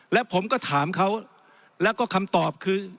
แล้วผมก็ถามเขาแล้วก็คำตอบคือ